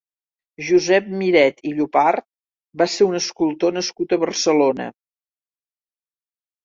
Josep Miret i Llopart va ser un escultor nascut a Barcelona.